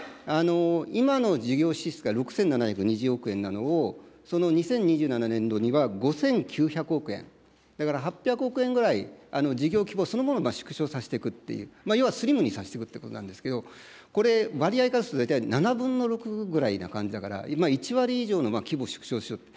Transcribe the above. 今の事業支出が６７２０億円なのを、その２０２７年度には５９００億円、だから８００億円ぐらい、事業規模そのものを縮小させていくという、要はスリムにさせていくということなんですけど、これ、割合からすると大体７分の６ぐらいな感じだから、１割以上の規模縮小をしようと。